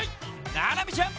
ななみちゃん！